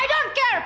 aku tak peduli